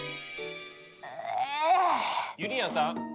ゆりやんさん！